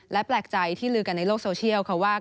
และแปลกใจที่ลือกันในโลกโซเชียลค่ะว่า